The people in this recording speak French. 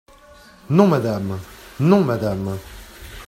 Non, madame ! non, madame !